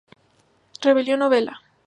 Rebelión Novela